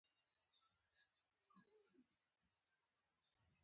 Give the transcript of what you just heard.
دوکاندار د صداقت له مخې پیسې اخلي.